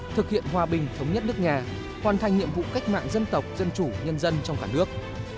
thực hiện hòa bình thống nhất nước nhà hoàn thành nhiệm vụ cách mạng dân tộc dân chủ nhân dân trong cả nước